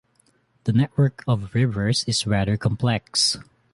The network of rivers is rather complex.